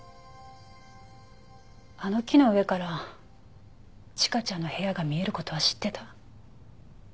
あの木の上から千佳ちゃんの部屋が見える事は知ってた。